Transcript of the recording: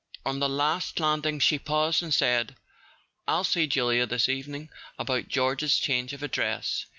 On the last landing she paused and said: "I'll see Julia this evening about George's change of address.